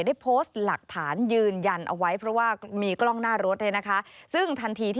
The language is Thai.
ได้โพสต์หลักฐานยืนยันเอาไว้